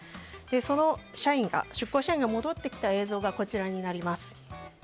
その出向社員が戻ってきた映像がこちらになります。